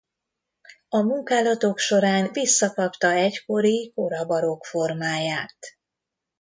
A munkálatok során visszakapta egykori kora barokk formáját.